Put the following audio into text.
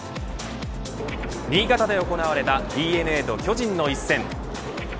新潟で行われたＤｅＮＡと巨人の１戦。